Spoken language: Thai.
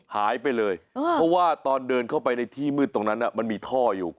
หายไปเลยเพราะว่าตอนเดินเข้าไปในที่มืดตรงนั้นมันมีท่ออยู่